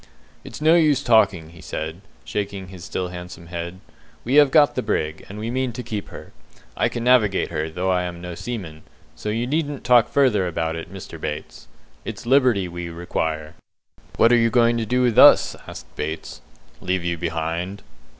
"It's no use talking," he said, shaking his still handsome head. "We have got the brig, and we mean to keep her. I can navigate her, though I am no seaman, so you needn't talk further about it, Mr. Bates. It's liberty we require." "What are you going to do with us?" asked Bates. "Leave you behind."